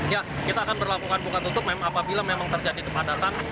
ya kita akan berlakukan buka tutup apabila memang terjadi kepadatan